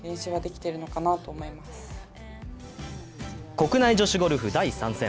国内女子ゴルフ第３戦。